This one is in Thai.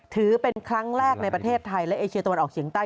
ถือเป็นครั้งแรกในประเทศไทยและเอเชียตะวันออกเฉียงใต้